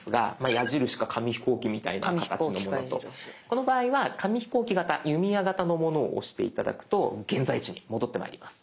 この場合は紙飛行機型弓矢型のものを押して頂くと現在地に戻ってまいります。